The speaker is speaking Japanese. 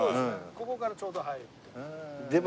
ここからちょうど入る。